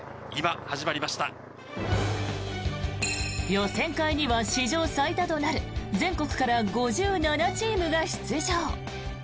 予選会には史上最多となる全国から５７チームが出場。